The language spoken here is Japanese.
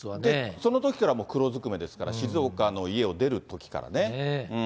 そのときから黒ずくめですから、静岡の家を出るときからね。